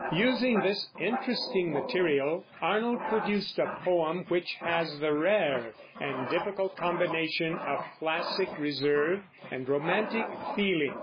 Using this interesting material, Arnold produced a poem which has the rare and difficult combination of classic reserve and romantic feeling.